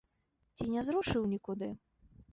Ці не зрушыў нікуды?